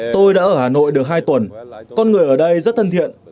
tôi đã ở hà nội được hai tuần con người ở đây rất thân thiện